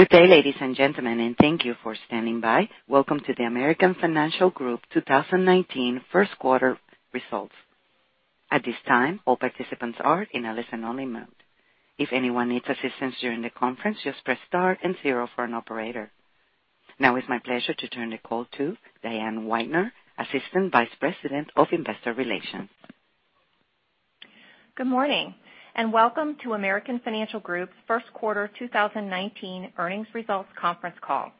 Good day, ladies and gentlemen, and thank you for standing by. Welcome to the American Financial Group 2019 first quarter results. At this time, all participants are in a listen only mode. If anyone needs assistance during the conference, just press star 0 for an operator. It's my pleasure to turn the call to Diane Weidner, Assistant Vice President of Investor Relations. Good morning, welcome to American Financial Group's first quarter 2019 earnings results conference call.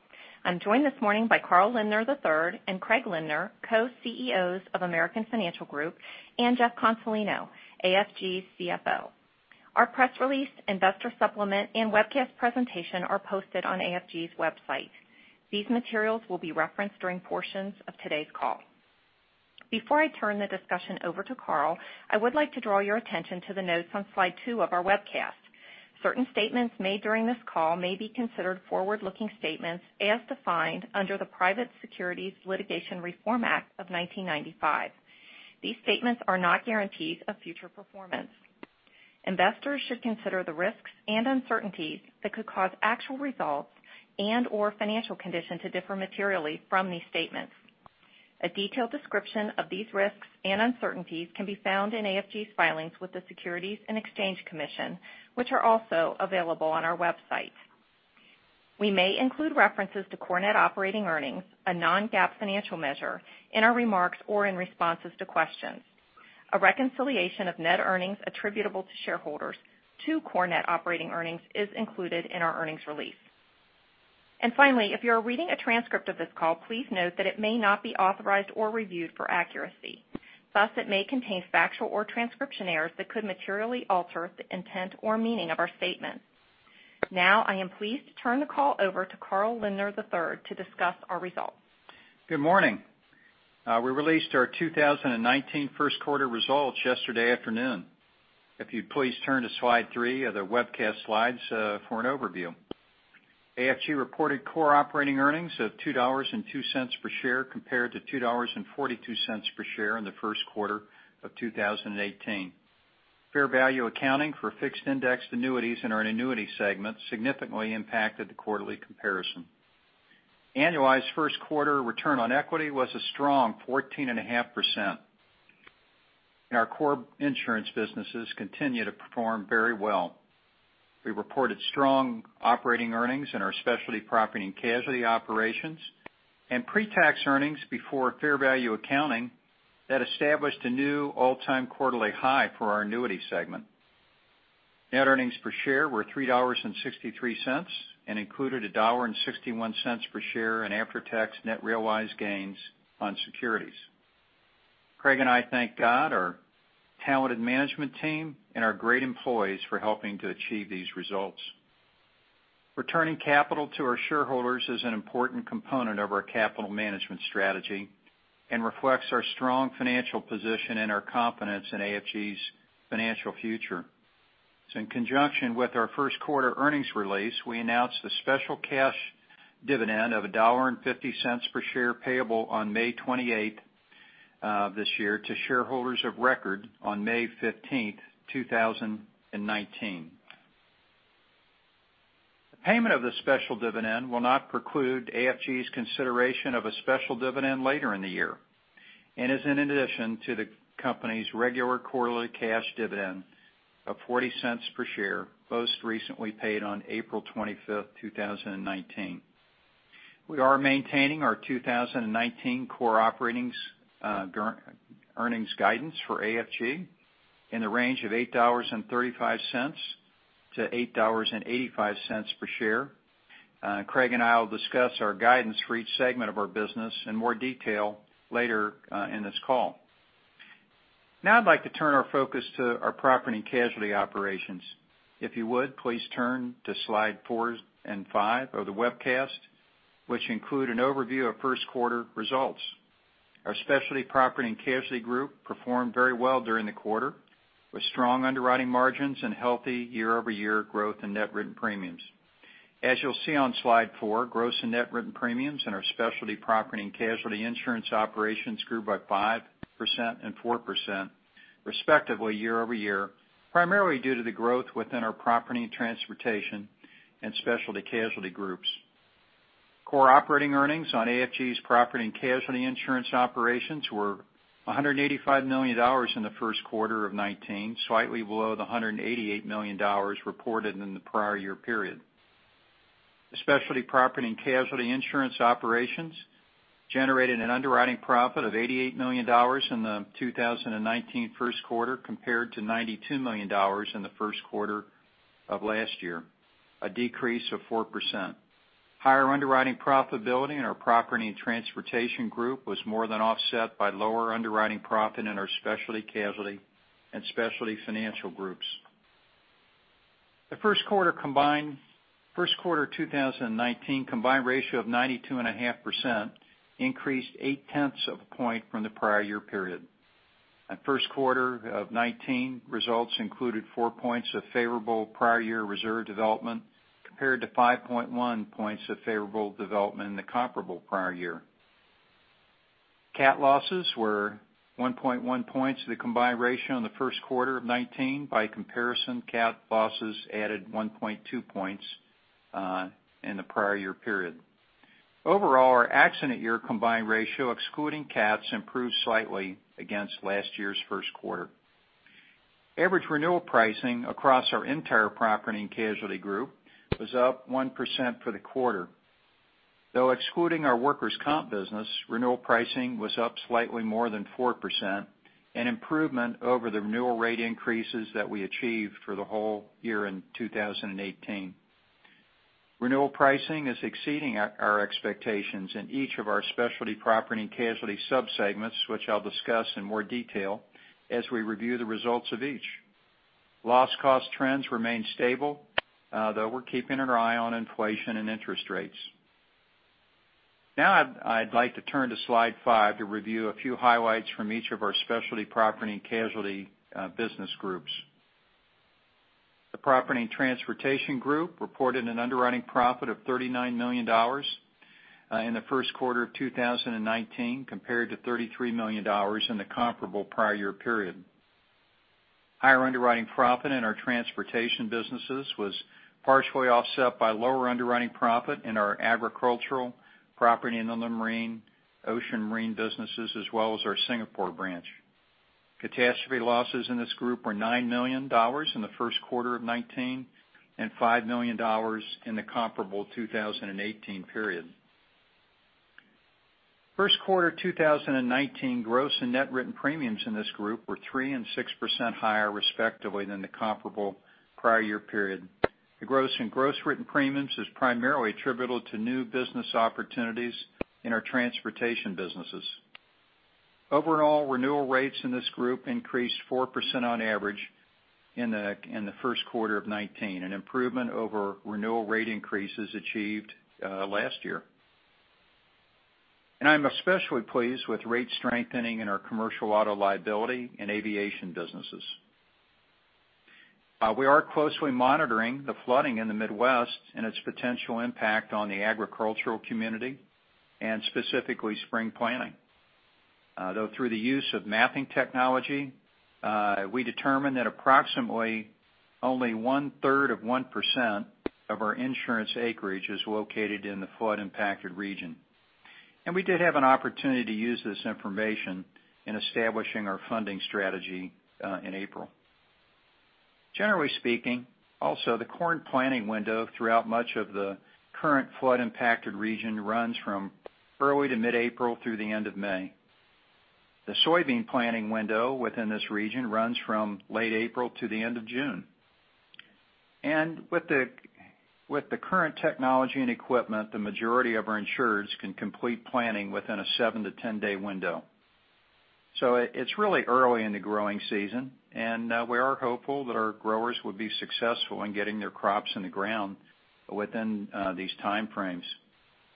I'm joined this morning by Carl Lindner III and Craig Lindner, Co-CEOs of American Financial Group, and Jeff Consolino, AFG CFO. Our press release, investor supplement, and webcast presentation are posted on AFG's website. These materials will be referenced during portions of today's call. Before I turn the discussion over to Carl, I would like to draw your attention to the notes on slide two of our webcast. Certain statements made during this call may be considered forward-looking statements, as defined under the Private Securities Litigation Reform Act of 1995. These statements are not guarantees of future performance. Investors should consider the risks and uncertainties that could cause actual results and/or financial condition to differ materially from these statements. A detailed description of these risks and uncertainties can be found in AFG's filings with the Securities and Exchange Commission, which are also available on our website. We may include references to core net operating earnings, a non-GAAP financial measure, in our remarks or in responses to questions. A reconciliation of net earnings attributable to shareholders to core net operating earnings is included in our earnings release. Finally, if you are reading a transcript of this call, please note that it may not be authorized or reviewed for accuracy. Thus, it may contain factual or transcription errors that could materially alter the intent or meaning of our statement. I am pleased to turn the call over to Carl Lindner III to discuss our results. Good morning. We released our 2019 first quarter results yesterday afternoon. If you'd please turn to slide three of the webcast slides for an overview. AFG reported core operating earnings of $2.02 per share, compared to $2.42 per share in the first quarter of 2018. Fair value accounting for fixed-indexed annuities in our annuity segment significantly impacted the quarterly comparison. Annualized first quarter return on equity was a strong 14.5%. Our core insurance businesses continue to perform very well. We reported strong operating earnings in our specialty property and casualty operations, and pre-tax earnings before fair value accounting that established a new all-time quarterly high for our annuity segment. Net earnings per share were $3.63 and included $1.61 per share in after-tax net realized gains on securities. Craig and I thank God, our talented management team, and our great employees for helping to achieve these results. Returning capital to our shareholders is an important component of our capital management strategy and reflects our strong financial position and our confidence in AFG's financial future. In conjunction with our first quarter earnings release, we announced a special cash dividend of $1.50 per share payable on May 28th this year to shareholders of record on May 15th, 2019. The payment of the special dividend will not preclude AFG's consideration of a special dividend later in the year and is in addition to the company's regular quarterly cash dividend of $0.40 per share, most recently paid on April 25th, 2019. We are maintaining our 2019 core earnings guidance for AFG in the range of $8.35-$8.85 per share. Craig and I will discuss our guidance for each segment of our business in more detail later in this call. I'd like to turn our focus to our property and casualty operations. If you would, please turn to slide four and five of the webcast, which include an overview of first quarter results. Our specialty property and casualty group performed very well during the quarter, with strong underwriting margins and healthy year-over-year growth in net written premiums. As you'll see on slide four, gross and net written premiums in our specialty property and casualty insurance operations grew by 5% and 4%, respectively, year-over-year, primarily due to the growth within our property and transportation and specialty casualty groups. Core operating earnings on AFG's property and casualty insurance operations were $185 million in the first quarter of 2019, slightly below the $188 million reported in the prior year period. The specialty property and casualty insurance operations generated an underwriting profit of $88 million in the 2019 first quarter, compared to $92 million in the first quarter of last year, a decrease of 4%. Higher underwriting profitability in our property and transportation group was more than offset by lower underwriting profit in our specialty casualty and specialty financial groups. The first quarter 2019 combined ratio of 92.5% increased eight tenths of a point from the prior year period. First quarter of 2019 results included four points of favorable prior year reserve development, compared to 5.1 points of favorable development in the comparable prior year. Cat losses were 1.1 points of the combined ratio in the first quarter of 2019. By comparison, cat losses added 1.2 points in the prior year period. Overall, our accident year combined ratio, excluding cats, improved slightly against last year’s first quarter. Average renewal pricing across our entire property and casualty group was up 1% for the quarter. Though excluding our workers' comp business, renewal pricing was up slightly more than 4%, an improvement over the renewal rate increases that we achieved for the whole year in 2018. Renewal pricing is exceeding our expectations in each of our specialty property and casualty sub-segments, which I’ll discuss in more detail as we review the results of each. Loss cost trends remain stable, though we’re keeping an eye on inflation and interest rates. I’d like to turn to slide five to review a few highlights from each of our specialty property and casualty business groups. The property and transportation group reported an underwriting profit of $39 million in the first quarter of 2019, compared to $33 million in the comparable prior year period. Higher underwriting profit in our transportation businesses was partially offset by lower underwriting profit in our agricultural property and Ocean Marine businesses, as well as our Singapore branch. Catastrophe losses in this group were $9 million in the first quarter of 2019, and $5 million in the comparable 2018 period. First quarter 2019 gross and net written premiums in this group were 3% and 6% higher, respectively, than the comparable prior year period. The gross and gross written premiums is primarily attributable to new business opportunities in our transportation businesses. Overall, renewal rates in this group increased 4% on average in the first quarter of 2019, an improvement over renewal rate increases achieved last year. I’m especially pleased with rate strengthening in our commercial auto liability and aviation businesses. We are closely monitoring the flooding in the Midwest and its potential impact on the agricultural community, and specifically spring planting. Through the use of mapping technology, we determined that approximately only one-third of 1% of our insurance acreage is located in the flood-impacted region. We did have an opportunity to use this information in establishing our funding strategy in April. Generally speaking, also, the corn planting window throughout much of the current flood-impacted region runs from early to mid-April through the end of May. The soybean planting window within this region runs from late April to the end of June. With the current technology and equipment, the majority of our insurers can complete planting within a 7-to-10 day window. It’s really early in the growing season, and we are hopeful that our growers will be successful in getting their crops in the ground within these time frames.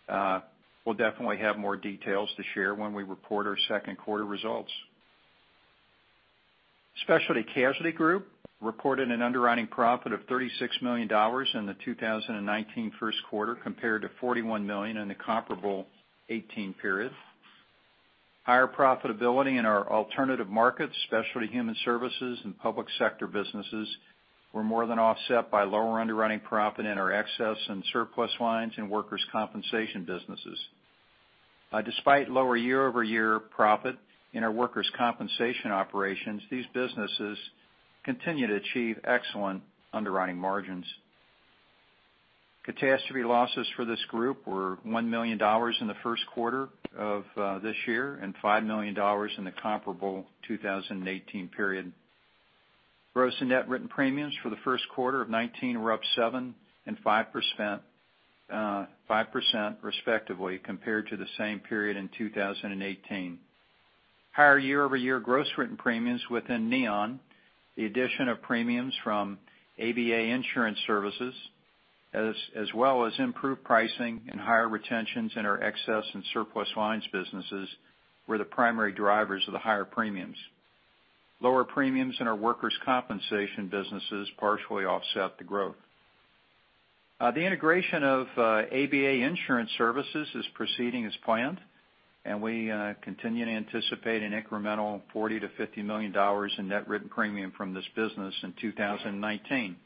We’ll definitely have more details to share when we report our second quarter results. Specialty Casualty Group reported an underwriting profit of $36 million in the 2019 first quarter, compared to $41 million in the comparable 2018 period. Higher profitability in our alternative markets, Specialty Human Services, and public sector businesses were more than offset by lower underwriting profit in our excess and surplus lines in workers' compensation businesses. Despite lower year-over-year profit in our workers' compensation operations, these businesses continue to achieve excellent underwriting margins. Catastrophe losses for this group were $1 million in the first quarter of this year, and $5 million in the comparable 2018 period. Gross and net written premiums for the first quarter of 2019 were up 7% and 5%, respectively, compared to the same period in 2018. Higher year-over-year gross written premiums within Neon, the addition of premiums from ABA Insurance Services, as well as improved pricing and higher retentions in our excess and surplus lines businesses were the primary drivers of the higher premiums. Lower premiums in our workers' compensation businesses partially offset the growth. The integration of ABA Insurance Services is proceeding as planned, and we continue to anticipate an incremental $40 million-$50 million in net written premium from this business in 2019.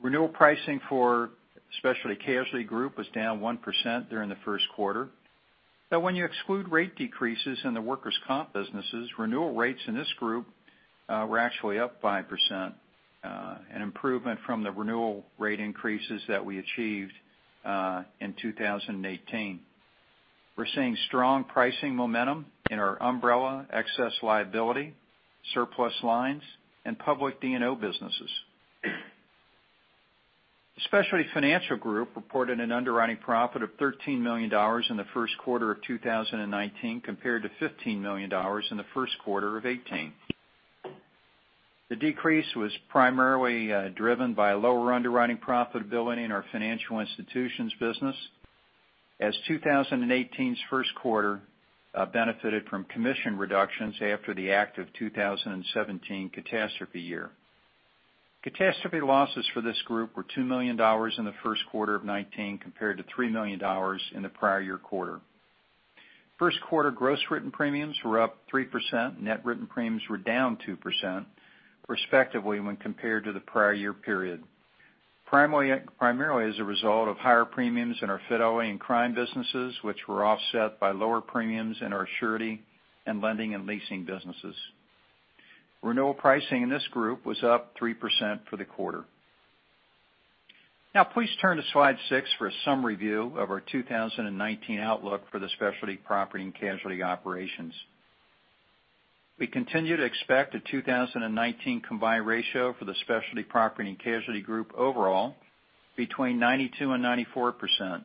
Renewal pricing for Specialty Casualty Group was down 1% during the first quarter. When you exclude rate decreases in the workers' comp businesses, renewal rates in this group were actually up 5%, an improvement from the renewal rate increases that we achieved in 2018. We're seeing strong pricing momentum in our umbrella, excess liability, surplus lines, and public D&O businesses. Specialty Financial Group reported an underwriting profit of $13 million in the first quarter of 2019, compared to $15 million in the first quarter of 2018. The decrease was primarily driven by lower underwriting profitability in our financial institutions business, as 2018's first quarter benefited from commission reductions after the active 2017 catastrophe year. Catastrophe losses for this group were $2 million in the first quarter of 2019, compared to $3 million in the prior year quarter. First quarter gross written premiums were up 3%, net written premiums were down 2%, respectively, when compared to the prior year period. Primarily as a result of higher premiums in our fidelity and crime businesses, which were offset by lower premiums in our surety and lending and leasing businesses. Renewal pricing in this group was up 3% for the quarter. Please turn to slide six for a summary view of our 2019 outlook for the Specialty Property and Casualty operations. We continue to expect a 2019 combined ratio for the Specialty Property and Casualty Group overall between 92% and 94%.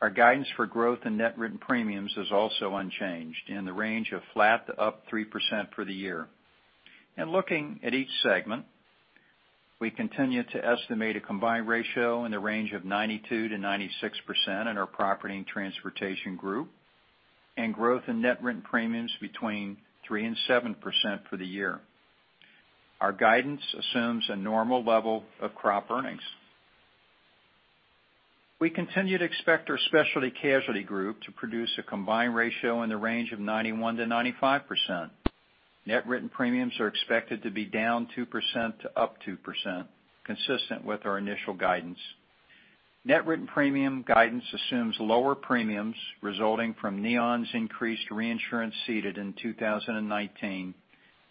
Our guidance for growth in net written premiums is also unchanged, in the range of flat to up 3% for the year. Looking at each segment, we continue to estimate a combined ratio in the range of 92% to 96% in our Property and Transportation Group, and growth in net written premiums between 3% and 7% for the year. Our guidance assumes a normal level of crop earnings. We continue to expect our Specialty Casualty Group to produce a combined ratio in the range of 91% to 95%. Net written premiums are expected to be down 2% to up 2%, consistent with our initial guidance. Net written premium guidance assumes lower premiums resulting from Neon's increased reinsurance ceded in 2019,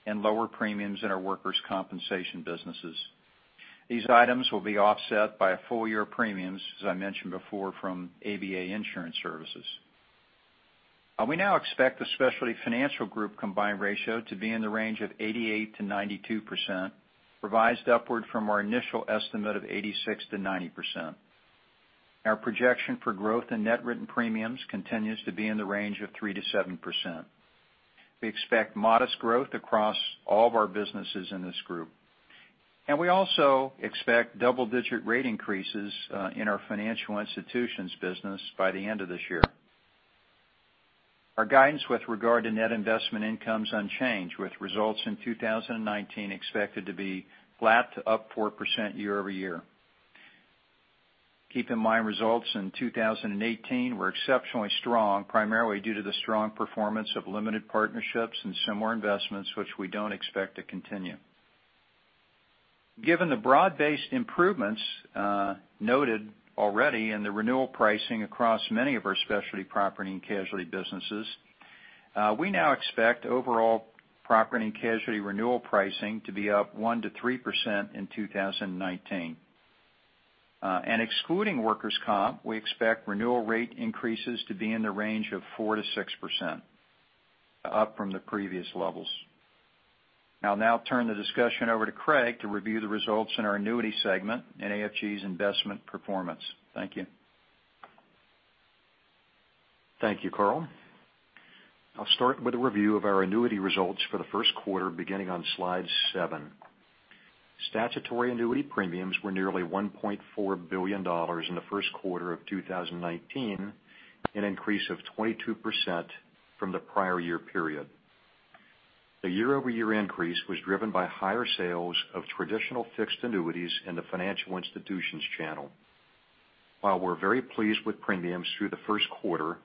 and lower premiums in our workers' compensation businesses. These items will be offset by full-year premiums, as I mentioned before, from ABA Insurance Services. We now expect the Specialty Financial Group combined ratio to be in the range of 88% to 92%, revised upward from our initial estimate of 86% to 90%. Our projection for growth in net written premiums continues to be in the range of 3% to 7%. We expect modest growth across all of our businesses in this group. We also expect double-digit rate increases in our financial institutions business by the end of this year. Our guidance with regard to net investment income is unchanged, with results in 2019 expected to be flat to up 4% year-over-year. Keep in mind, results in 2018 were exceptionally strong, primarily due to the strong performance of limited partnerships and similar investments, which we don't expect to continue. Given the broad-based improvements noted already in the renewal pricing across many of our Specialty Property and Casualty businesses, we now expect overall Property and Casualty renewal pricing to be up 1% to 3% in 2019. Excluding workers' comp, we expect renewal rate increases to be in the range of 4% to 6%, up from the previous levels. I'll now turn the discussion over to Craig to review the results in our Annuity Segment and AFG's investment performance. Thank you. Thank you, Carl. I'll start with a review of our annuity results for the first quarter, beginning on slide seven. Statutory annuity premiums were nearly $1.4 billion in the first quarter of 2019, an increase of 22% from the prior year period. The year-over-year increase was driven by higher sales of traditional fixed annuities in the financial institutions channel. While we're very pleased with premiums through the first quarter,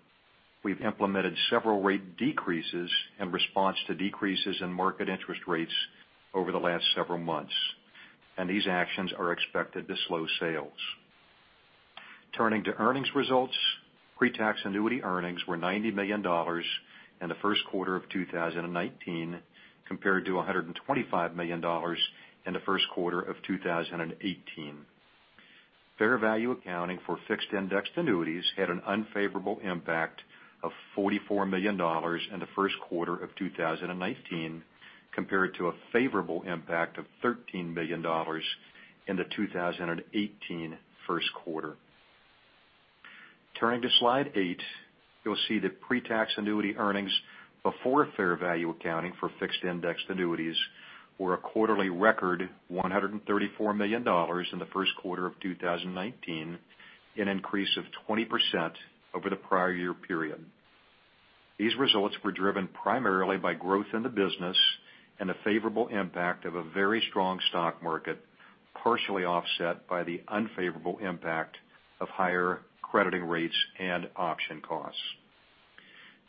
we've implemented several rate decreases in response to decreases in market interest rates over the last several months. These actions are expected to slow sales. Turning to earnings results, pre-tax annuity earnings were $90 million in the first quarter of 2019, compared to $125 million in the first quarter of 2018. Fair value accounting for fixed-indexed annuities had an unfavorable impact of $44 million in the first quarter of 2019, compared to a favorable impact of $13 million in the 2018 first quarter. Turning to slide eight, you'll see that pre-tax annuity earnings before fair value accounting for fixed-indexed annuities were a quarterly record $134 million in the first quarter of 2019, an increase of 20% over the prior year period. These results were driven primarily by growth in the business and a favorable impact of a very strong stock market, partially offset by the unfavorable impact of higher crediting rates and option costs.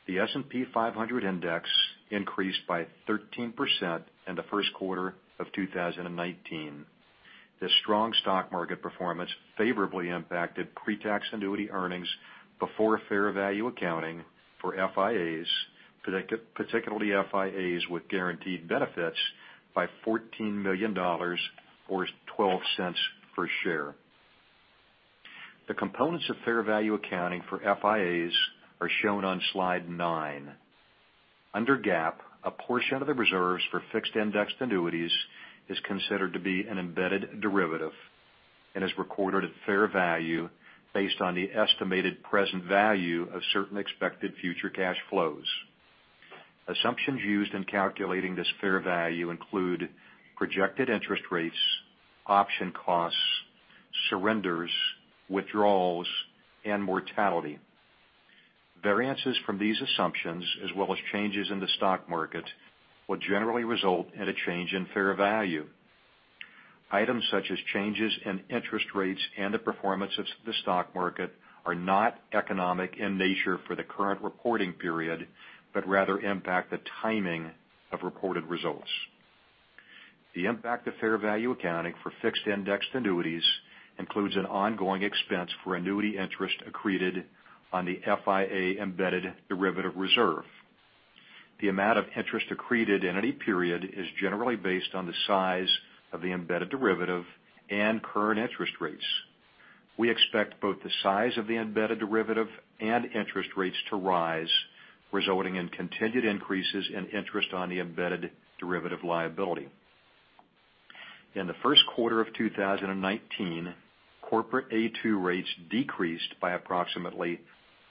The S&P 500 index increased by 13% in the first quarter of 2019. This strong stock market performance favorably impacted pre-tax annuity earnings before fair value accounting for FIAs, particularly FIAs with guaranteed benefits, by $14 million, or $0.12 per share. The components of fair value accounting for FIAs are shown on slide nine. Under GAAP, a portion of the reserves for fixed-indexed annuities is considered to be an embedded derivative and is recorded at fair value based on the estimated present value of certain expected future cash flows. Assumptions used in calculating this fair value include projected interest rates, option costs, surrenders, withdrawals, and mortality. Variances from these assumptions, as well as changes in the stock market, will generally result in a change in fair value. Items such as changes in interest rates and the performance of the stock market are not economic in nature for the current reporting period, but rather impact the timing of reported results. The impact of fair value accounting for fixed-indexed annuities includes an ongoing expense for annuity interest accreted on the FIA embedded derivative reserve. The amount of interest accreted in any period is generally based on the size of the embedded derivative and current interest rates. We expect both the size of the embedded derivative and interest rates to rise, resulting in continued increases in interest on the embedded derivative liability. In the first quarter of 2019, corporate A2 rates decreased by approximately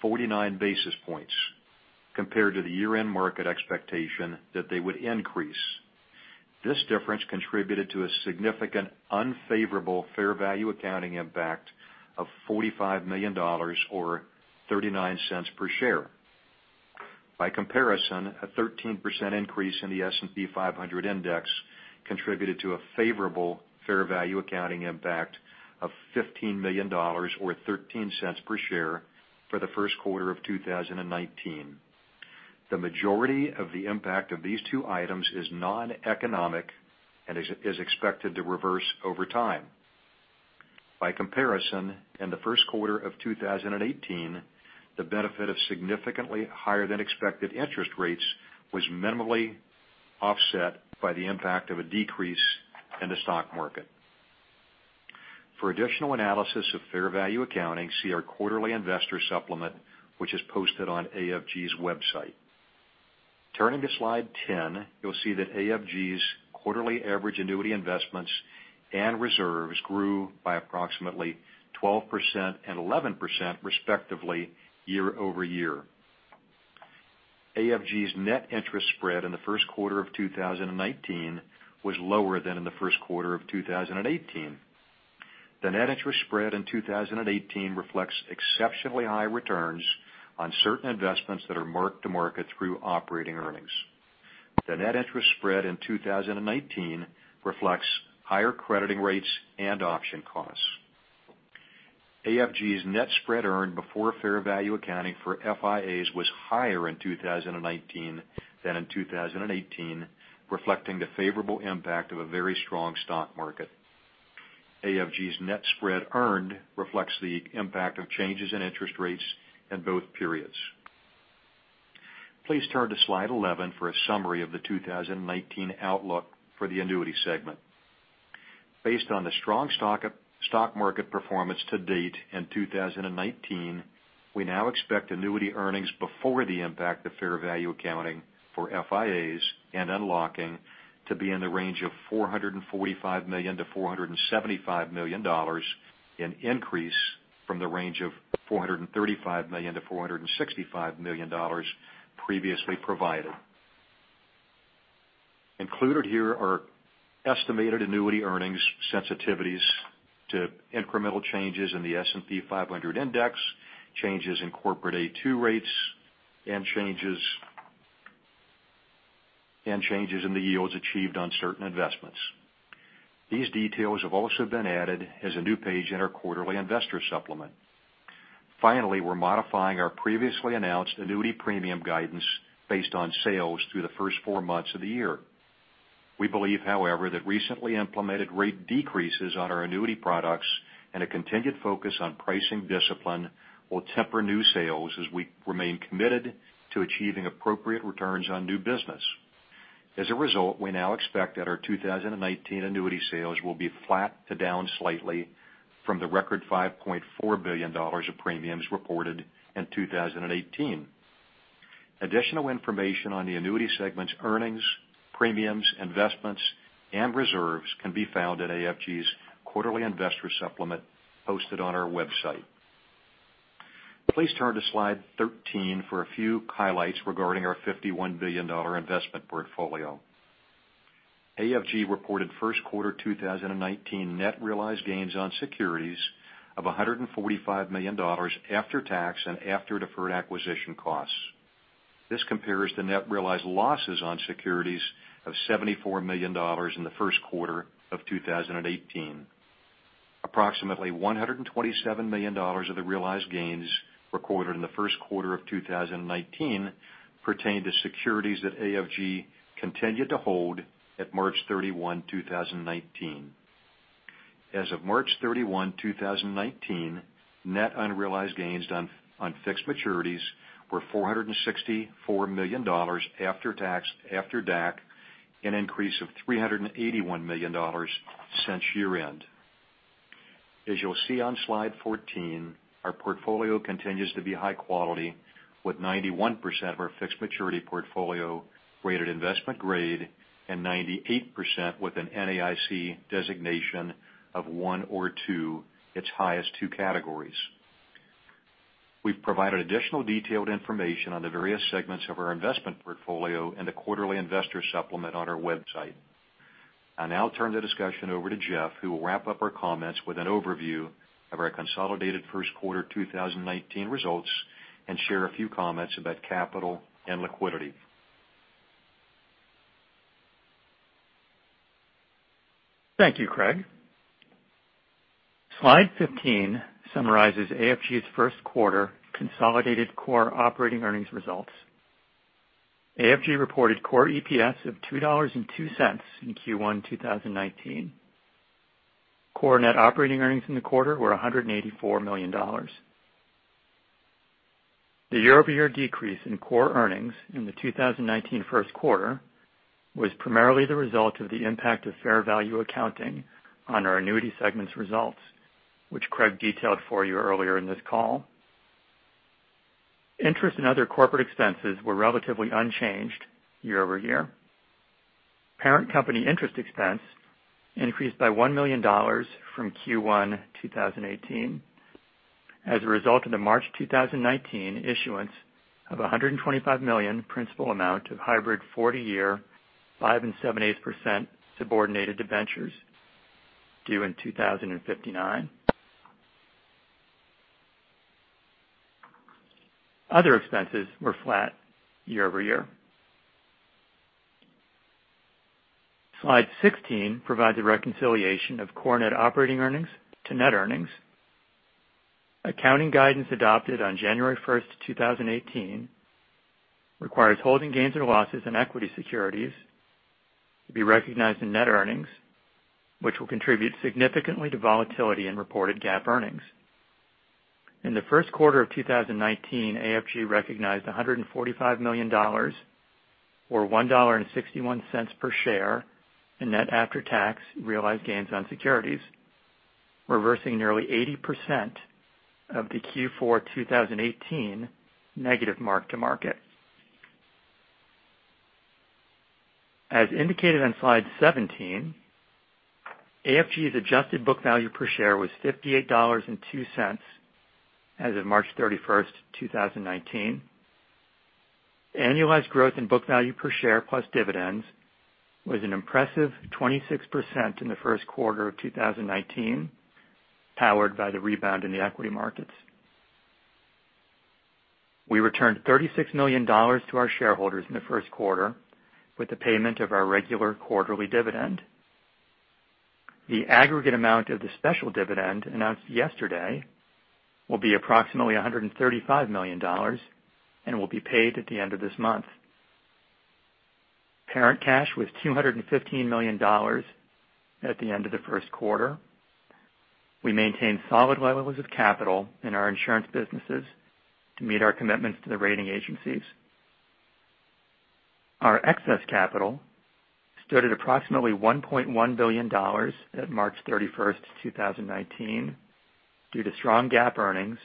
49 basis points compared to the year-end market expectation that they would increase. This difference contributed to a significant unfavorable fair value accounting impact of $45 million, or $0.39 per share. By comparison, a 13% increase in the S&P 500 index contributed to a favorable fair value accounting impact of $15 million or $0.13 per share for the first quarter of 2019. The majority of the impact of these two items is non-economic and is expected to reverse over time. By comparison, in the first quarter of 2018, the benefit of significantly higher than expected interest rates was minimally offset by the impact of a decrease in the stock market. For additional analysis of fair value accounting, see our quarterly investor supplement, which is posted on AFG's website. Turning to slide 10, you'll see that AFG's quarterly average annuity investments and reserves grew by approximately 12% and 11%, respectively, year-over-year. AFG's net interest spread in the first quarter of 2019 was lower than in the first quarter of 2018. The net interest spread in 2018 reflects exceptionally high returns on certain investments that are marked to market through operating earnings. The net interest spread in 2019 reflects higher crediting rates and option costs. AFG's net spread earned before fair value accounting for FIAs was higher in 2019 than in 2018, reflecting the favorable impact of a very strong stock market. AFG's net spread earned reflects the impact of changes in interest rates in both periods. Please turn to slide 11 for a summary of the 2019 outlook for the annuity segment. Based on the strong stock market performance to date in 2019, we now expect annuity earnings before the impact of fair value accounting for FIAs and unlocking to be in the range of $445 million-$475 million, an increase from the range of $435 million-$465 million previously provided. Included here are estimated annuity earnings sensitivities to incremental changes in the S&P 500 index, changes in corporate A2 rates, and changes in the yields achieved on certain investments. These details have also been added as a new page in our quarterly investor supplement. Finally, we're modifying our previously announced annuity premium guidance based on sales through the first four months of the year. We believe, however, that recently implemented rate decreases on our annuity products and a continued focus on pricing discipline will temper new sales as we remain committed to achieving appropriate returns on new business. As a result, we now expect that our 2019 annuity sales will be flat to down slightly from the record $5.4 billion of premiums reported in 2018. Additional information on the annuity segment's earnings, premiums, investments, and reserves can be found at AFG's quarterly investor supplement posted on our website. Please turn to slide 13 for a few highlights regarding our $51 billion investment portfolio. AFG reported first quarter 2019 net realized gains on securities of $145 million after tax and after deferred acquisition costs. This compares to net realized losses on securities of $74 million in the first quarter of 2018. Approximately $127 million of the realized gains recorded in the first quarter of 2019 pertain to securities that AFG continued to hold at March 31, 2019. As of March 31, 2019, net unrealized gains on fixed maturities were $464 million after tax, after DAC, an increase of $381 million since year-end. As you'll see on slide 14, our portfolio continues to be high quality, with 91% of our fixed maturity portfolio rated investment grade and 98% with an NAIC designation of 1 or 2, its highest two categories. We've provided additional detailed information on the various segments of our investment portfolio in the quarterly investor supplement on our website. I'll now turn the discussion over to Jeff, who will wrap up our comments with an overview of our consolidated first quarter 2019 results and share a few comments about capital and liquidity. Thank you, Craig. Slide 15 summarizes AFG's first quarter consolidated core operating earnings results. AFG reported core EPS of $2.02 in Q1 2019. Core net operating earnings in the quarter were $184 million. The year-over-year decrease in core earnings in the 2019 first quarter was primarily the result of the impact of fair value accounting on our annuity segment's results, which Craig detailed for you earlier in this call. Interest and other corporate expenses were relatively unchanged year-over-year. Parent company interest expense increased by $1 million from Q1 2018 as a result of the March 2019 issuance of $125 million principal amount of hybrid 40-year 5.87% subordinated debentures due in 2059. Other expenses were flat year-over-year. Slide 16 provides a reconciliation of core net operating earnings to net earnings. Accounting guidance adopted on January 1st, 2018, requires holding gains or losses in equity securities to be recognized in net earnings, which will contribute significantly to volatility in reported GAAP earnings. In the first quarter of 2019, AFG recognized $145 million, or $1.61 per share in net after-tax realized gains on securities, reversing nearly 80% of the Q4 2018 negative mark-to-market. As indicated on slide 17, AFG's adjusted book value per share was $58.02 as of March 31st, 2019. Annualized growth in book value per share plus dividends was an impressive 26% in the first quarter of 2019, powered by the rebound in the equity markets. We returned $36 million to our shareholders in the first quarter with the payment of our regular quarterly dividend. The aggregate amount of the special dividend announced yesterday will be approximately $135 million and will be paid at the end of this month. Parent cash was $215 million at the end of the first quarter. We maintained solid levels of capital in our insurance businesses to meet our commitments to the rating agencies. Our excess capital stood at approximately $1.1 billion at March 31st, 2019, due to strong GAAP earnings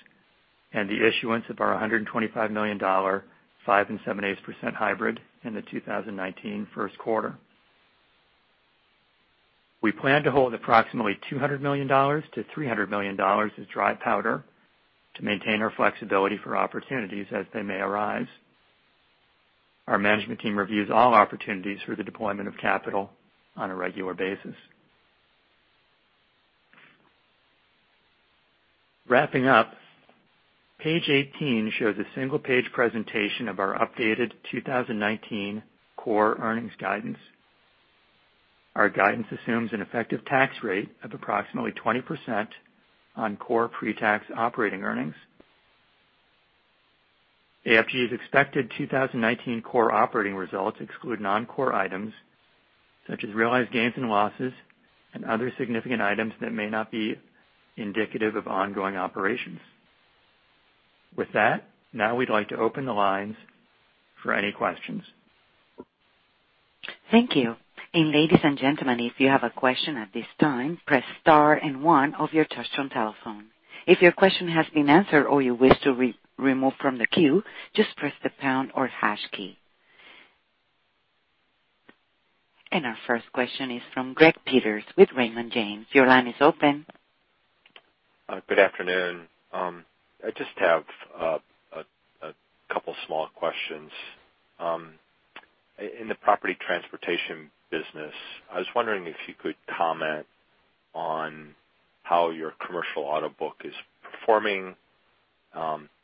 and the issuance of our $125 million 5.87% hybrid in the 2019 first quarter. We plan to hold approximately $200 million-$300 million as dry powder to maintain our flexibility for opportunities as they may arise. Our management team reviews all opportunities for the deployment of capital on a regular basis. Wrapping up, page 18 shows a single-page presentation of our updated 2019 core earnings guidance. Our guidance assumes an effective tax rate of approximately 20% on core pre-tax operating earnings. AFG's expected 2019 core operating results exclude non-core items such as realized gains and losses and other significant items that may not be indicative of ongoing operations. With that, now we'd like to open the lines for any questions. Thank you. Ladies and gentlemen, if you have a question at this time, press star and one on your touchtone telephone. If your question has been answered or you wish to be removed from the queue, just press the pound or hash key. Our first question is from Greg Peters with Raymond James. Your line is open. Good afternoon. I just have a couple of small questions. In the property transportation business, I was wondering if you could comment on how your commercial auto book is performing.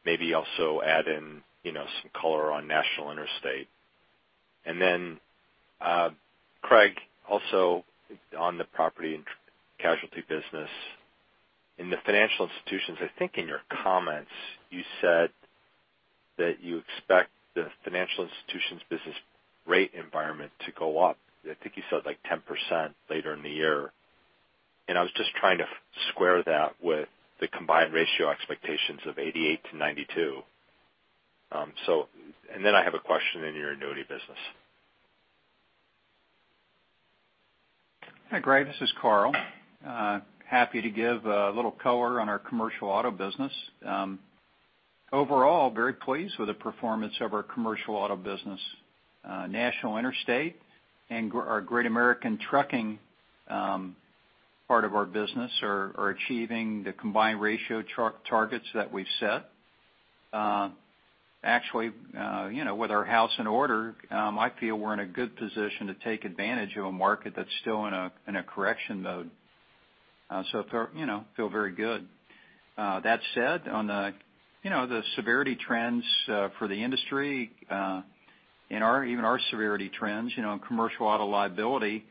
Maybe also add in some color on National Interstate. Craig, also on the Property and Casualty business. In the Financial Institutions, I think in your comments, you said that you expect the Financial Institutions business rate environment to go up. I think you said 10% later in the year, and I was just trying to square that with the combined ratio expectations of 88%-92%. I have a question in your annuity business. Hi, Greg. This is Carl. Happy to give a little color on our commercial auto business. Overall, very pleased with the performance of our commercial auto business. National Interstate and our Great American Trucking part of our business are achieving the combined ratio targets that we've set. Actually, with our house in order, I feel we're in a good position to take advantage of a market that's still in a correction mode. I feel very good. That said, on the severity trends for the industry, even our severity trends in commercial auto liability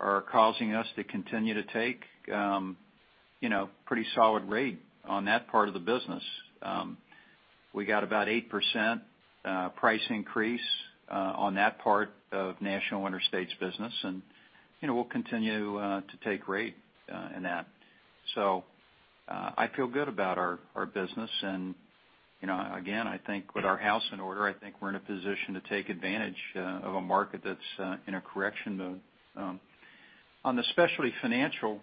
are causing us to continue to take pretty solid rate on that part of the business. We got about 8% price increase on that part of National Interstate's business, and we'll continue to take rate in that. I feel good about our business and, again, I think with our house in order, I think we're in a position to take advantage of a market that's in a correction mode. On the specialty financial,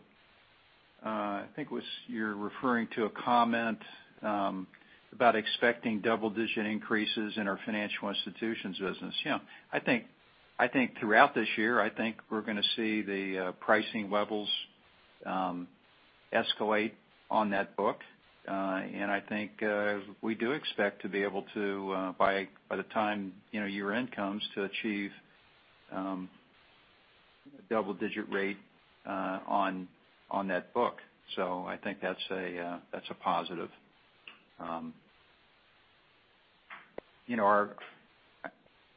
I think you're referring to a comment about expecting double-digit increases in our Financial Institutions business. Yeah. I think throughout this year, I think we're going to see the pricing levels escalate on that book. I think we do expect to be able to, by the time year-end comes, to achieve double-digit rate on that book. I think that's a positive.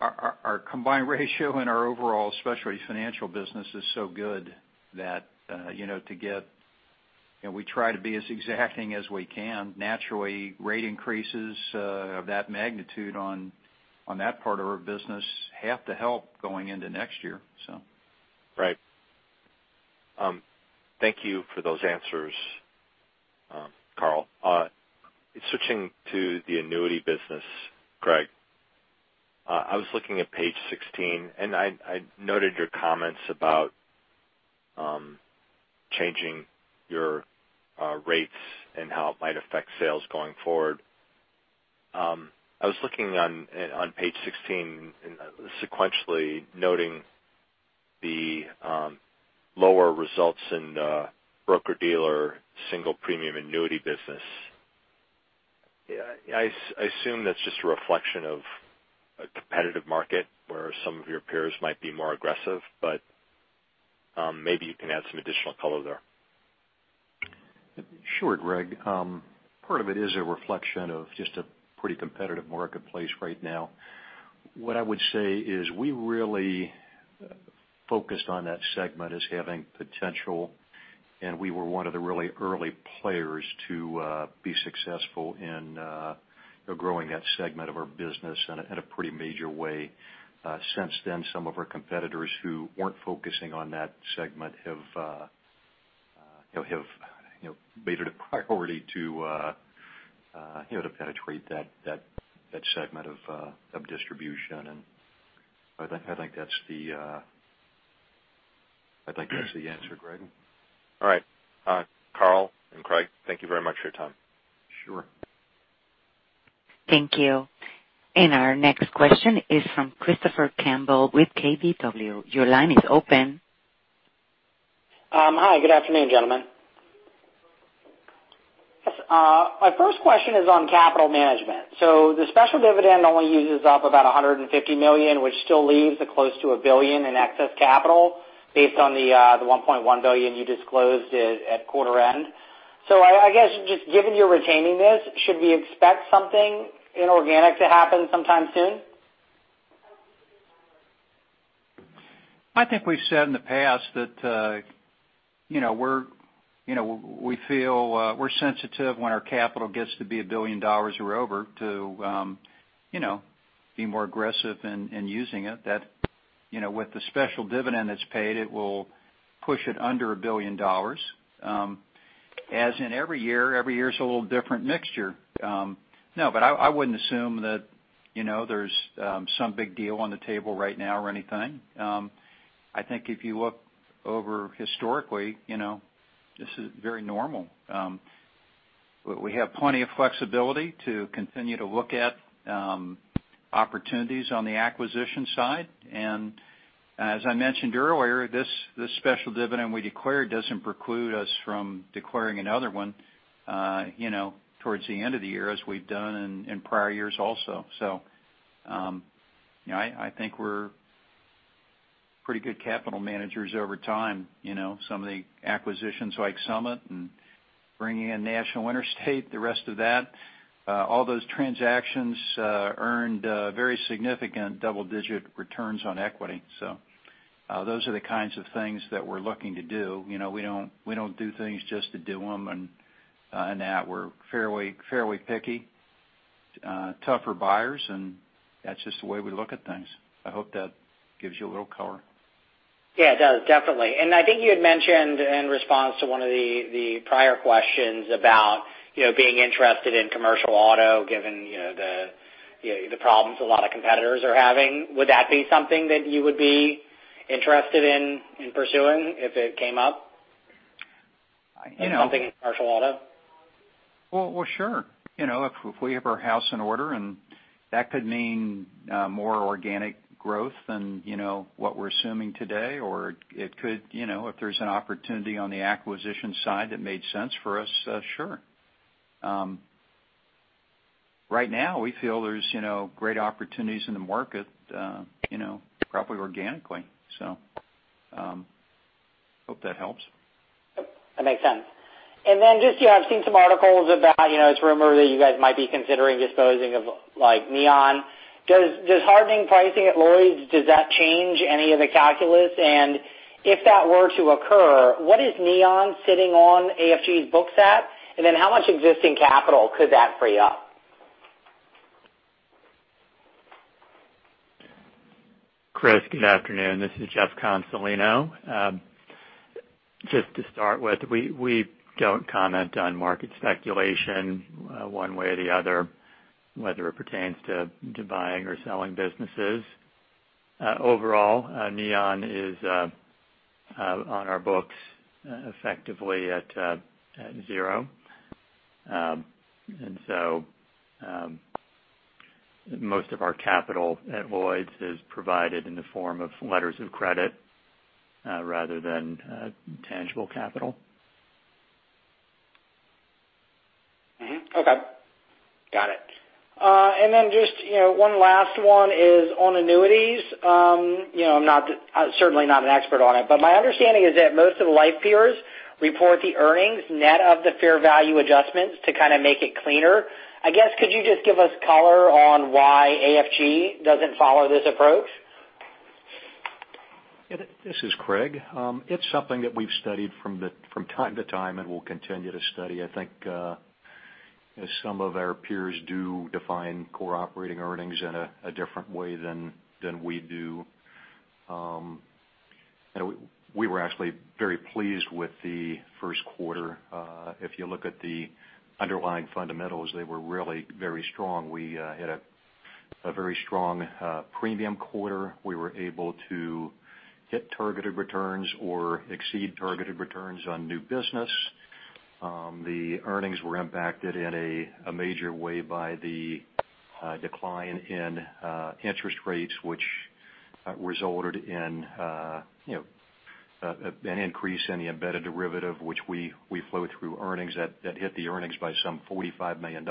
Our combined ratio and our overall specialty financial business is so good that we try to be as exacting as we can. Naturally, rate increases of that magnitude on that part of our business have to help going into next year. Right. Thank you for those answers, Carl. Switching to the annuity business, Craig. I was looking at page 16, I noted your comments about changing your rates and how it might affect sales going forward. I was looking on page 16 sequentially noting the lower results in the broker-dealer single premium annuity business. I assume that's just a reflection of a competitive market where some of your peers might be more aggressive, maybe you can add some additional color there. Sure, Greg. Part of it is a reflection of just a pretty competitive marketplace right now. What I would say is we really focused on that segment as having potential, we were one of the really early players to be successful in growing that segment of our business in a pretty major way. Since then, some of our competitors who weren't focusing on that segment have made it a priority to penetrate that segment of distribution, I think that's the answer, Greg. All right. Carl and Craig, thank you very much for your time. Sure. Thank you. Our next question is from Christopher Campbell with KBW. Your line is open. Hi, good afternoon, gentlemen. My first question is on capital management. The special dividend only uses up about $150 million, which still leaves close to $1 billion in excess capital based on the $1.1 billion you disclosed at quarter end. I guess, just given you're retaining this, should we expect something inorganic to happen sometime soon? I think we've said in the past that we feel we're sensitive when our capital gets to be $1 billion or over to be more aggressive in using it. That with the special dividend that's paid, it will push it under $1 billion. As in every year, every year is a little different mixture. I wouldn't assume that there's some big deal on the table right now or anything. I think if you look over historically, this is very normal. We have plenty of flexibility to continue to look at opportunities on the acquisition side. As I mentioned earlier, this special dividend we declared doesn't preclude us from declaring another one towards the end of the year as we've done in prior years also. I think we're pretty good capital managers over time. Some of the acquisitions like Summit and bringing in National Interstate, the rest of that, all those transactions earned very significant double-digit returns on equity. Those are the kinds of things that we're looking to do. We don't do things just to do them, in that we're fairly picky, tougher buyers, and that's just the way we look at things. I hope that gives you a little color. Yeah, it does, definitely. I think you had mentioned in response to one of the prior questions about being interested in commercial auto, given the problems a lot of competitors are having. Would that be something that you would be interested in pursuing if it came up? You know. Something in commercial auto? Well, sure. If we have our house in order. That could mean more organic growth than what we're assuming today, or if there's an opportunity on the acquisition side that made sense for us, sure. Right now, we feel there's great opportunities in the market, probably organically. Hope that helps. Yep, that makes sense. I've seen some articles about, it's a rumor that you guys might be considering disposing of Neon. Does hardening pricing at Lloyd's change any of the calculus? If that were to occur, what is Neon sitting on AFG's books at? How much existing capital could that free up? Chris, good afternoon. This is Jeff Consolino. Just to start with, we don't comment on market speculation one way or the other, whether it pertains to buying or selling businesses. Overall, Neon is on our books effectively at zero. Most of our capital at Lloyd's is provided in the form of letters of credit rather than tangible capital. Okay. Got it. One last one is on annuities. I'm certainly not an expert on it, my understanding is that most of the life peers report the earnings net of the fair value adjustments to kind of make it cleaner. Could you just give us color on why AFG doesn't follow this approach? This is Craig. It's something that we've studied from time to time, we'll continue to study. Some of our peers do define Core Operating Earnings in a different way than we do. We were actually very pleased with the first quarter. If you look at the underlying fundamentals, they were really very strong. We had a very strong premium quarter. We were able to hit targeted returns or exceed targeted returns on new business. The earnings were impacted in a major way by the decline in interest rates, which resulted in an increase in the embedded derivative, which we flow through earnings that hit the earnings by some $45 million.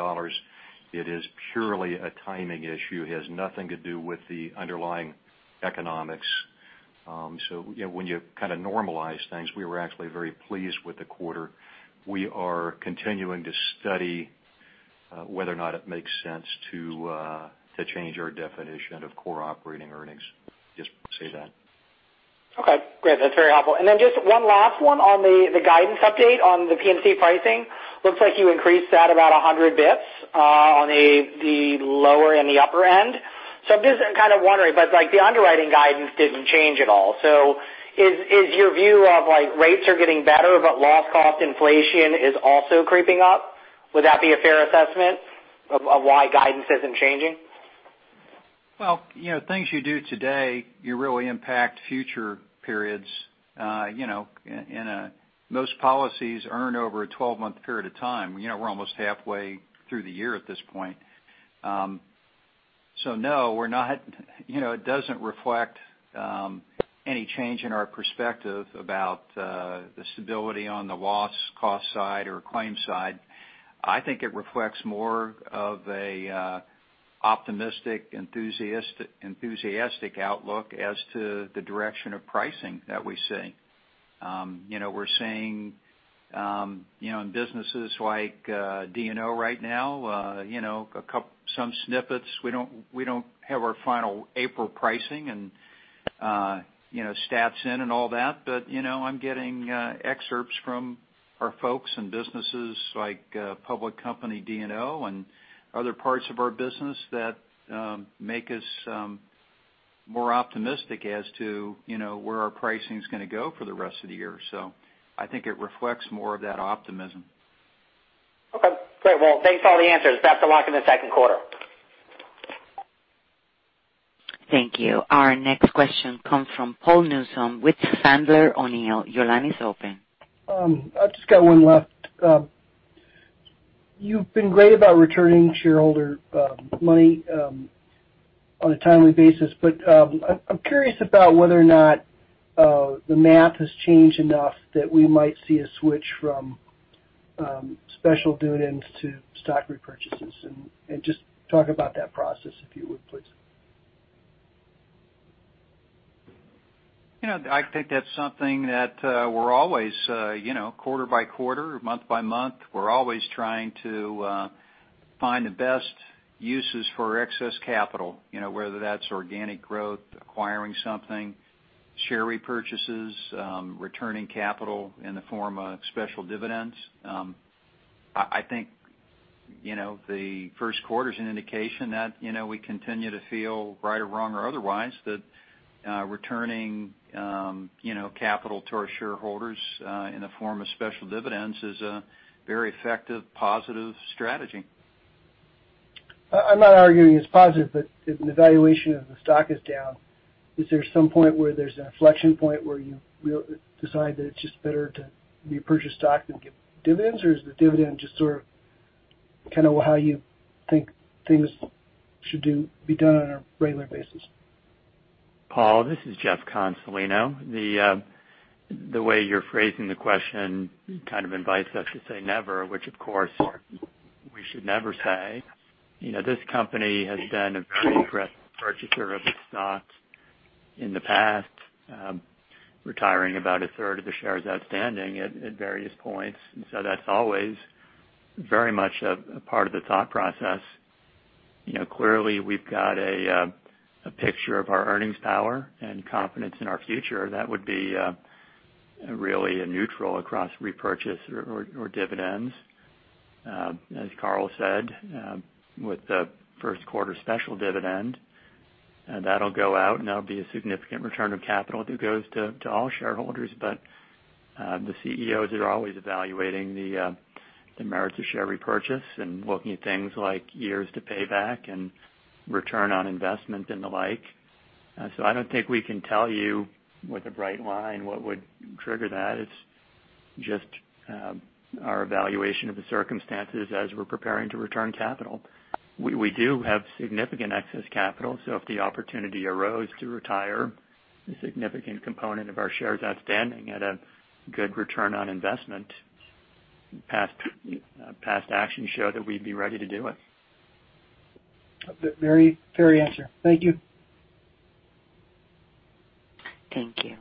It is purely a timing issue. It has nothing to do with the underlying economics. When you kind of normalize things, we were actually very pleased with the quarter. We are continuing to study whether or not it makes sense to change our definition of core operating earnings. Just say that. Okay, great. That's very helpful. Just one last one on the guidance update on the P&C pricing. Looks like you increased that about 100 basis points on the lower and the upper end. I'm just kind of wondering, but the underwriting guidance didn't change at all. Is your view of rates are getting better, but loss cost inflation is also creeping up? Would that be a fair assessment of why guidance isn't changing? Well, things you do today, you really impact future periods. Most policies earn over a 12-month period of time. We're almost halfway through the year at this point. No, it doesn't reflect any change in our perspective about the stability on the loss cost side or claims side. I think it reflects more of an optimistic, enthusiastic outlook as to the direction of pricing that we see. We're seeing in businesses like D&O right now, some snippets. We don't have our final April pricing and stats in and all that. I'm getting excerpts from our folks in businesses like public company D&O and other parts of our business that make us more optimistic as to where our pricing's going to go for the rest of the year. I think it reflects more of that optimism. Okay, great. Well, thanks for all the answers. Best of luck in the second quarter. Thank you. Our next question comes from Paul Newsome with Sandler O'Neill. Your line is open. I've just got one left. You've been great about returning shareholder money on a timely basis. I'm curious about whether or not the math has changed enough that we might see a switch from special dividends to stock repurchases, just talk about that process, if you would, please. I think that's something that we're always, quarter by quarter, month by month, we're always trying to find the best uses for excess capital, whether that's organic growth, acquiring something, share repurchases, returning capital in the form of special dividends. I think the first quarter's an indication that we continue to feel, right or wrong or otherwise, that returning capital to our shareholders in the form of special dividends is a very effective, positive strategy. I'm not arguing it's positive. The valuation of the stock is down. Is there some point where there's an inflection point where you decide that it's just better to repurchase stock than give dividends? Is the dividend just how you think things should be done on a regular basis? Paul, this is Jeff Consolino. The way you're phrasing the question kind of invites us to say never, which, of course, we should never say. This company has been a very aggressive purchaser of its stock in the past, retiring about a third of the shares outstanding at various points. That's always very much a part of the thought process. Clearly, we've got a picture of our earnings power and confidence in our future. That would be really neutral across repurchase or dividends. As Carl said, with the first quarter special dividend, that'll go out and that'll be a significant return of capital that goes to all shareholders. The CEOs are always evaluating the merits of share repurchase and looking at things like years to pay back and return on investment and the like. I don't think we can tell you with a bright line what would trigger that. It's just our evaluation of the circumstances as we're preparing to return capital. We do have significant excess capital, so if the opportunity arose to retire a significant component of our shares outstanding at a good return on investment, past actions show that we'd be ready to do it. Very fair answer. Thank you. Thank you.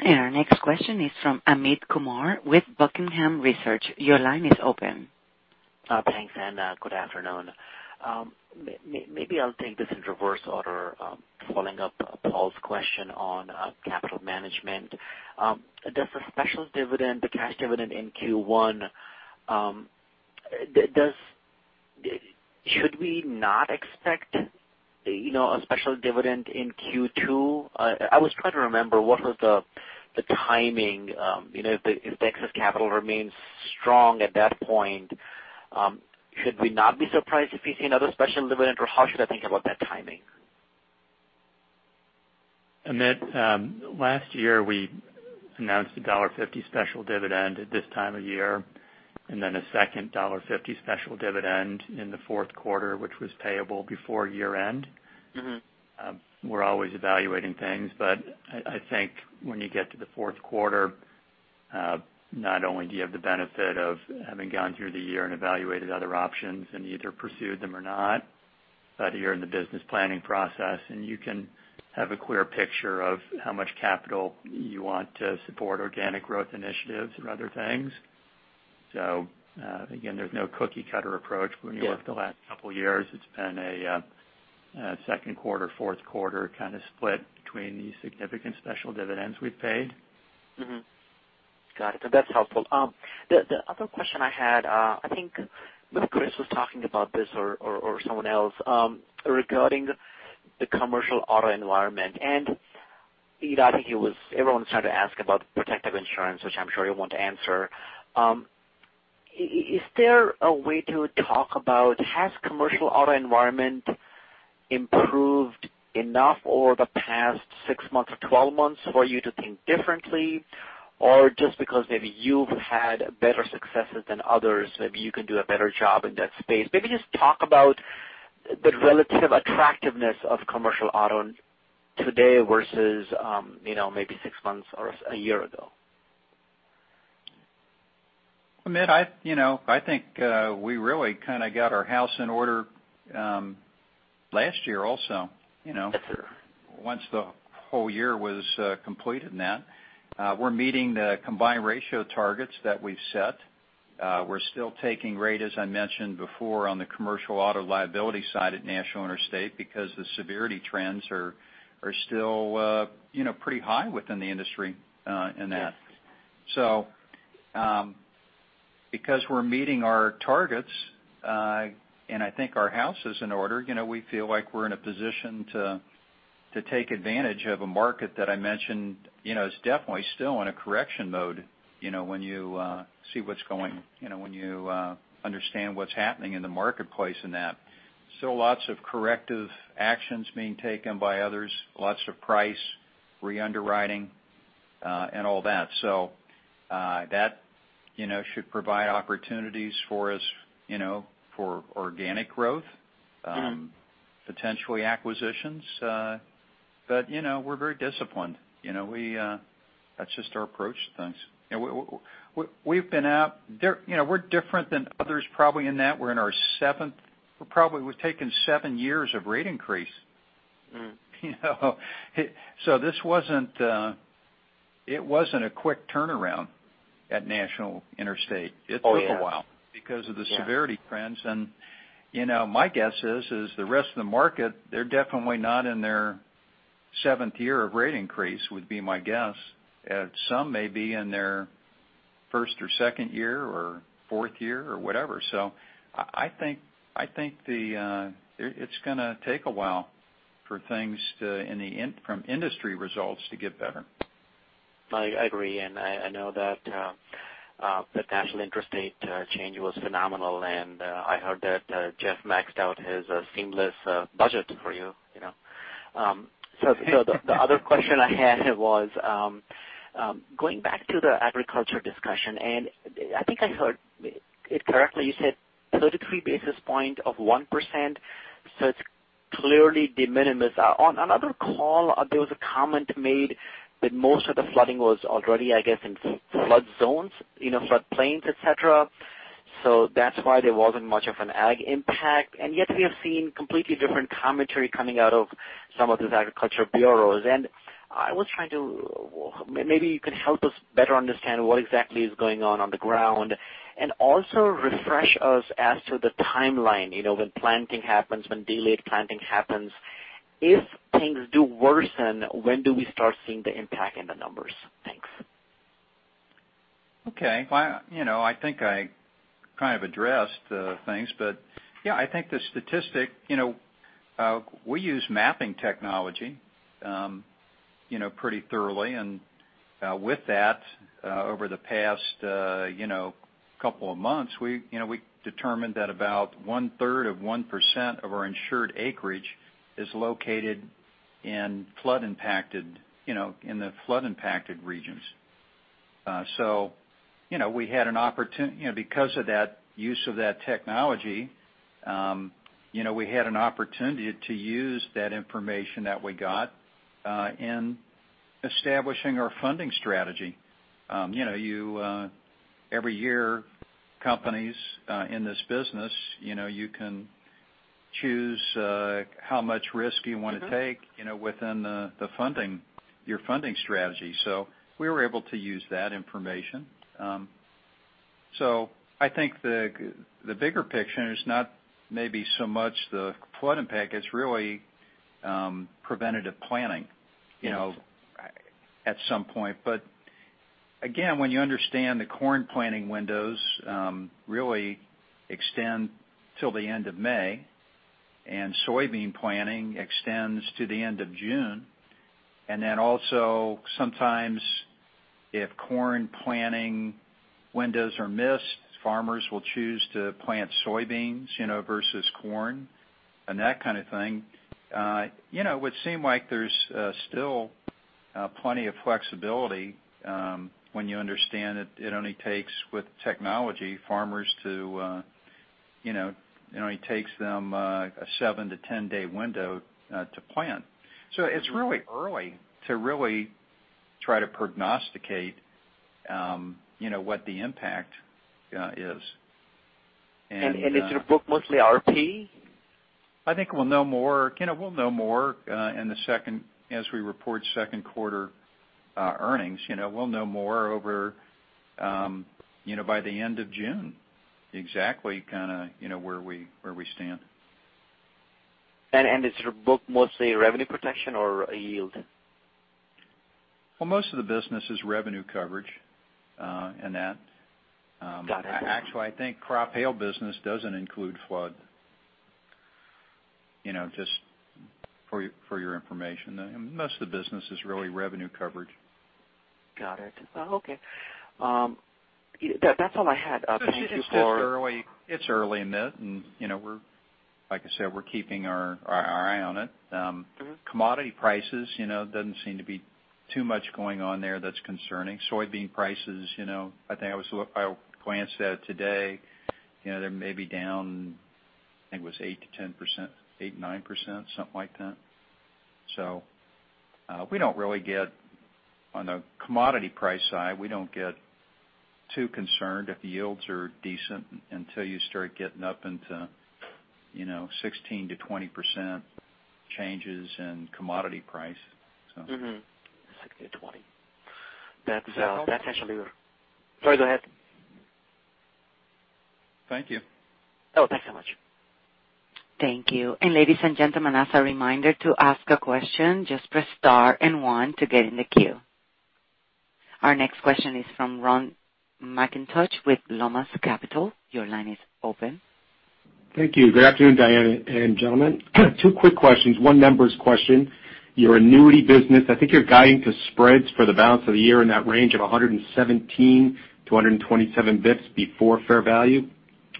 Our next question is from Amit Kumar with Buckingham Research. Your line is open. Thanks, good afternoon. Maybe I'll take this in reverse order, following up Paul's question on capital management. The special dividend, the cash dividend in Q1, should we not expect a special dividend in Q2? I was trying to remember what was the timing. If the excess capital remains strong at that point, should we not be surprised if we see another special dividend, or how should I think about that timing? Amit, last year we announced a $1.50 special dividend at this time of year, and then a second $1.50 special dividend in the fourth quarter, which was payable before year-end. We're always evaluating things, but I think when you get to the fourth quarter, not only do you have the benefit of having gone through the year and evaluated other options and either pursued them or not, but you're in the business planning process, and you can have a clear picture of how much capital you want to support organic growth initiatives and other things. Again, there's no cookie-cutter approach. When you look at the last couple of years, it's been a second quarter, fourth quarter kind of split between the significant special dividends we've paid. Mm-hmm. Got it. That's helpful. The other question I had, I think Chris was talking about this or someone else, regarding the commercial auto environment. I think everyone's trying to ask about Protective Insurance, which I'm sure you want to answer. Is there a way to talk about, has commercial auto environment improved enough over the past 6 months or 12 months for you to think differently? Just because maybe you've had better successes than others, maybe you can do a better job in that space. Maybe just talk about the relative attractiveness of commercial auto today versus maybe 6 months or a year ago. Amit, I think we really got our house in order last year also. Once the whole year was completed and that. We're meeting the combined ratio targets that we've set. We're still taking rate, as I mentioned before, on the commercial auto liability side at National Interstate because the severity trends are still pretty high within the industry in that. Because we're meeting our targets, and I think our house is in order, we feel like we're in a position to take advantage of a market that I mentioned is definitely still in a correction mode when you understand what's happening in the marketplace and that. Still lots of corrective actions being taken by others, lots of price re-underwriting, and all that. That should provide opportunities for us for organic growth potentially acquisitions. We're very disciplined. That's just our approach to things. We're different than others probably in that we're in our seventh, probably we've taken seven years of rate increase. It wasn't a quick turnaround at National Interstate. Oh, yeah. It took a while because of the severity trends. My guess is the rest of the market, they're definitely not in their seventh year of rate increase, would be my guess. Some may be in their first or second year or fourth year or whatever. I think it's going to take a while for things from industry results to get better. I agree. I know that the National Interstate change was phenomenal. I heard that Jeff maxed out his Seamless budget for you. The other question I had was, going back to the agriculture discussion. I think I heard it correctly, you said 33 basis points of 1%, so it's clearly de minimis. On another call, there was a comment made that most of the flooding was already, I guess, in flood zones, flood plains, et cetera. That's why there wasn't much of an ag impact. Yet we have seen completely different commentary coming out of some of these agriculture bureaus. Maybe you can help us better understand what exactly is going on the ground, and also refresh us as to the timeline, when planting happens, when delayed planting happens. If things do worsen, when do we start seeing the impact in the numbers? Thanks. Okay. I think I kind of addressed the things. Yeah, I think the statistic, we use mapping technology pretty thoroughly. With that, over the past couple of months, we determined that about one-third of 1% of our insured acreage is located in the flood-impacted regions. Because of that use of that technology, we had an opportunity to use that information that we got in establishing our funding strategy. Every year, companies in this business, you can choose how much risk you want to take within your funding strategy. We were able to use that information. I think the bigger picture is not maybe so much the flood impact. It's really preventative planning at some point. Again, when you understand the corn planting windows really extend till the end of May, and soybean planting extends to the end of June. Also sometimes if corn planting windows are missed, farmers will choose to plant soybeans versus corn and that kind of thing. It would seem like there's still plenty of flexibility when you understand it only takes, with technology, farmers to, it only takes them a seven- to 10-day window to plant. It's really early to really try to prognosticate what the impact is. Is it mostly RP? I think we'll know more as we report second quarter earnings. We'll know more over by the end of June exactly where we stand. It's mostly revenue protection or yield? Well, most of the business is revenue coverage in that. Got it. Actually, I think crop hail business doesn't include flood, just for your information. Most of the business is really revenue coverage. Got it. Okay. That's all I had. Thank you, Paul. It's early in this, like I said, we're keeping our eye on it. Commodity prices doesn't seem to be too much going on there that's concerning. Soybean prices, I think I glanced at it today. They may be down, I think it was 8%-10%, 8%, 9%, something like that. On the commodity price side, we don't get too concerned if the yields are decent until you start getting up into 16%-20% changes in commodity price. 16-20. That's actually. Is that helpful? Sorry, go ahead. Thank you. Oh, thanks so much. Thank you. Ladies and gentlemen, as a reminder, to ask a question, just press star and one to get in the queue. Our next question is from Ron McIntosh with Lomas Capital. Your line is open. Thank you. Good afternoon, Diane and gentlemen. Two quick questions. One members question. Your annuity business, I think you're guiding to spreads for the balance of the year in that range of 117 to 127 basis points before fair value.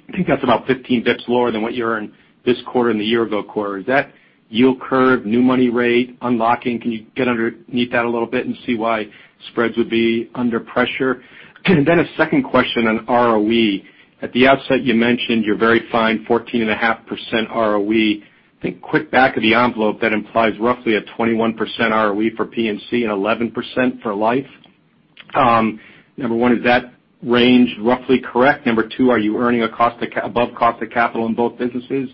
I think that's about 15 basis points lower than what you earned this quarter and the year ago quarter. Is that yield curve, new money rate, unlocking? Can you get underneath that a little bit and see why spreads would be under pressure? A second question on ROE. At the outset, you mentioned your very fine 14.5% ROE. I think quick back of the envelope, that implies roughly a 21% ROE for P&C and 11% for life. Number one, is that range roughly correct? Number two, are you earning above cost of capital in both businesses?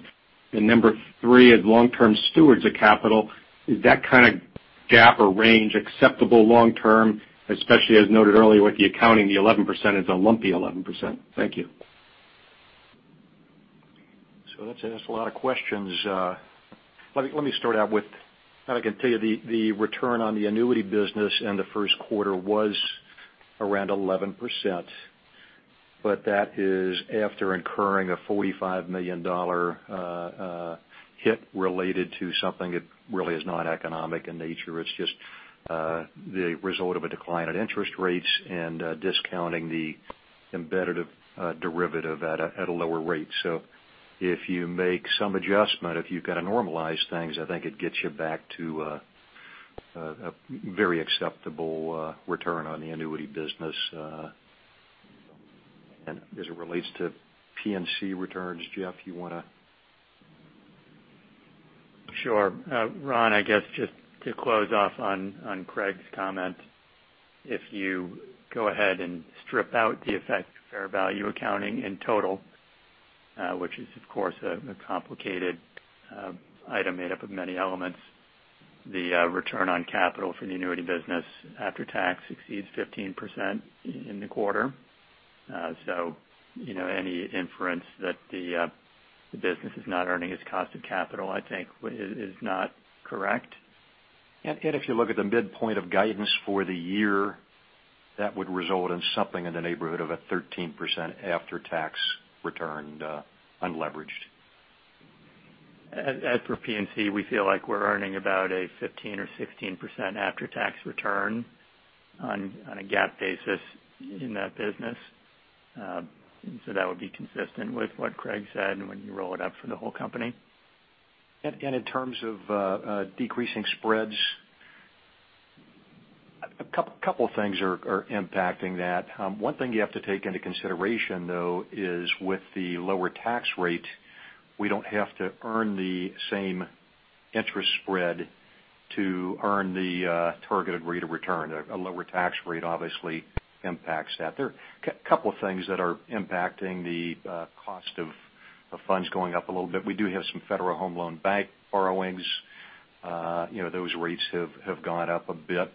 Number three, as long-term stewards of capital, is that kind of gap or range acceptable long term, especially as noted earlier with the accounting, the 11% is a lumpy 11%? Thank you. That's a lot of questions. Let me start out with, I can tell you the return on the annuity business in the first quarter was around 11%. That is after incurring a $45 million hit related to something that really is not economic in nature. It's just the result of a decline in interest rates and discounting the embedded derivative at a lower rate. If you make some adjustment, if you kind of normalize things, I think it gets you back to a very acceptable return on the annuity business. As it relates to P&C returns, Jeff, you want to? Ron, I guess just to close off on Craig's comment, if you go ahead and strip out the effect of fair value accounting in total, which is, of course, a complicated item made up of many elements, the return on capital for the annuity business after tax exceeds 15% in the quarter. Any inference that the business is not earning its cost of capital, I think is not correct. If you look at the midpoint of guidance for the year, that would result in something in the neighborhood of a 13% after-tax return, unleveraged. As for P&C, we feel like we're earning about a 15% or 16% after-tax return on a GAAP basis in that business. That would be consistent with what Craig said and when you roll it up for the whole company. In terms of decreasing spreads, a couple of things are impacting that. One thing you have to take into consideration, though, is with the lower tax rate, we don't have to earn the same interest spread to earn the targeted rate of return. A lower tax rate obviously impacts that. There are a couple of things that are impacting the cost of funds going up a little bit. We do have some Federal Home Loan Bank borrowings. Those rates have gone up a bit.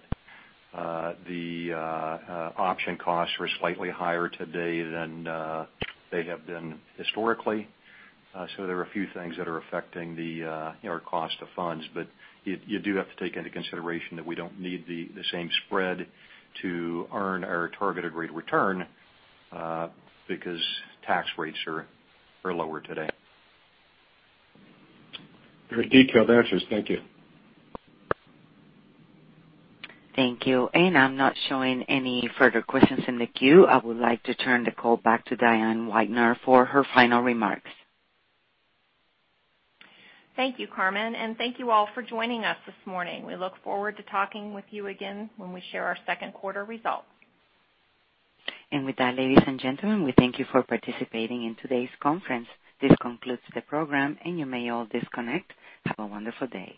The option costs were slightly higher today than they have been historically. There are a few things that are affecting our cost of funds. You do have to take into consideration that we don't need the same spread to earn our targeted rate of return, because tax rates are lower today. Very detailed answers. Thank you. Thank you. I'm not showing any further questions in the queue. I would like to turn the call back to Diane Weidner for her final remarks. Thank you, Carmen, and thank you all for joining us this morning. We look forward to talking with you again when we share our second quarter results. With that, ladies and gentlemen, we thank you for participating in today's conference. This concludes the program, and you may all disconnect. Have a wonderful day.